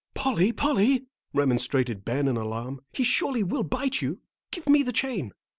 "Polly, Polly," remonstrated Ben in alarm, "he surely will bite you; give me the chain."